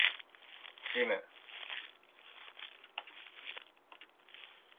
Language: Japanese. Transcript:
ジム